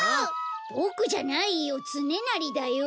ボクじゃないよつねなりだよ。